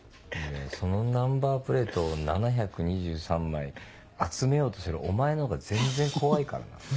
そのナンバープレートを７２３枚集めようとしてるお前のほうが全然怖いからな。